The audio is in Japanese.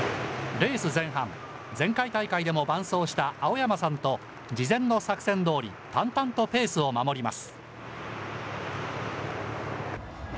レース前半、前回大会でも伴走した青山さんと、事前の作戦どおり、淡々とペースを守ります。